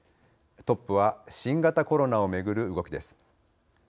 トップは新型コロナをめぐる動きです。